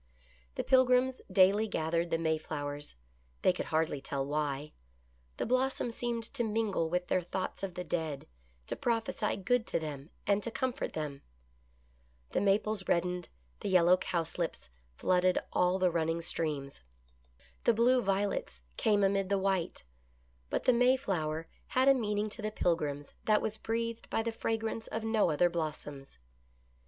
The Pilgrims daily gathered the Mayflowers. They could hard ly tell why. The blossom seemed to mingle with their thoughts of the dead, to prophesy good to them and to comfort them. The maples reddened, the yellow cowslips flooded all the running streams; the blue THE MONUMENT TO MARY ALLERTON. Il8 THE pilgrims' EASTER LILY. violets came amid the white, but the Mayflower had a meaning to the Pilgrims that was breathed by the fra grance of no other blossoms.